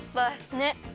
ねっ。